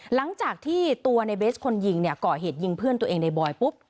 หลังจากที่ตัวในเบสคนยิงเนี่ยก่อเหตุยิงเพื่อนตัวเองในบอยปุ๊บ